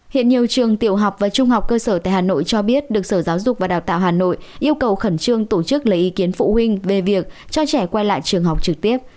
hiện nhiều trường tiểu học và trung học cơ sở tại hà nội cho biết được sở giáo dục và đào tạo hà nội yêu cầu khẩn trương tổ chức lấy ý kiến phụ huynh về việc cho trẻ quay lại trường học trực tiếp